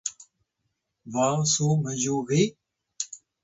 ba su myugi?